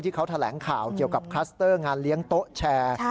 เขาแถลงข่าวเกี่ยวกับคลัสเตอร์งานเลี้ยงโต๊ะแชร์